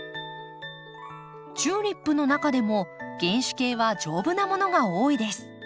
チューリップの中でも原種系は丈夫なものが多いです。